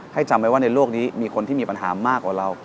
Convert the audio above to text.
จำไว้ว่าในโลกนี้มีคนที่มีปัญหามากกว่าเรา